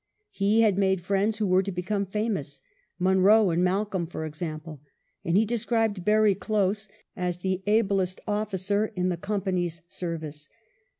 He had made friends who were to become famous — Munro and Malcolm, for example — and he described Barry Close as the ablest officer in the Company's service.